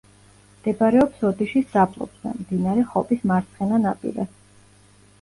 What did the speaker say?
მდებარეობს ოდიშის დაბლობზე, მდინარე ხობის მარცხენა ნაპირას.